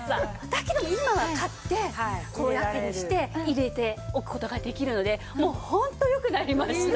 だけど今は買って小分けにして入れておく事ができるのでもうホントよくなりました。